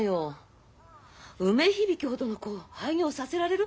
梅響ほどの子を廃業させられる？